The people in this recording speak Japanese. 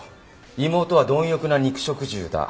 妹は貪欲な肉食獣だ。